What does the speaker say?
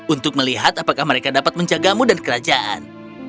untuk melihat apakah mereka dapat menjagamu dan kerajaan